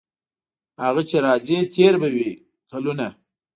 هغه چې راځي تیر به وي کلونه.